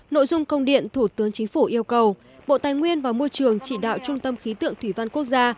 nội dung công điện thủ tướng chính phủ yêu cầu bộ tài nguyên và môi trường chỉ đạo trung tâm khí tượng thủy văn quốc gia